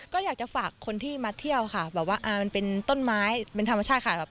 ก็อยากจะฝากคนที่มาเที่ยวค่ะแบบว่ามันเป็นต้นไม้เป็นธรรมชาติค่ะ